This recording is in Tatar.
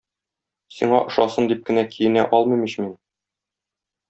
Сиңа ошасын дип кенә киенә алмыйм ич мин!